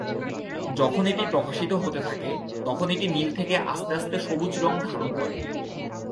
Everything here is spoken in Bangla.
যখন এটি প্রকাশিত হতে থাকে তখন এটি নীল থেকে আস্তে আস্তে সবুজ রঙ ধারণ করে।